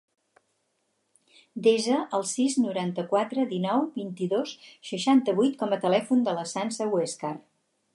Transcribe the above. Desa el sis, noranta-quatre, dinou, vint-i-dos, seixanta-vuit com a telèfon de la Sança Huescar.